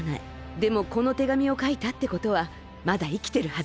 でもこのてがみをかいたってことはまだいきてるはず。